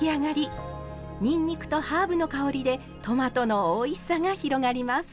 にんにくとハーブの香りでトマトのおいしさが広がります。